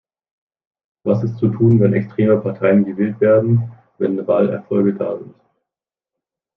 Was ist zu tun, wenn extreme Parteien gewählt werden, wenn Wahlerfolge da sind?